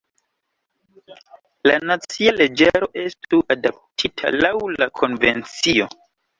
La nacia leĝaro estu adaptita laŭ la konvencio.